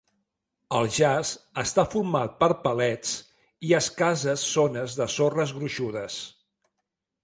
El jaç està format per palets i escasses zones de sorres gruixudes.